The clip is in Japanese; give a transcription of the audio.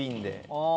ああ。